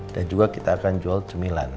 dan juga kita akan jual cemilan